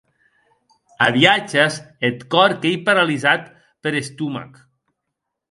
A viatges eth còr qu’ei paralisat per estomac.